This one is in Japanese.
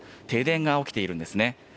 停電が起きているんですね。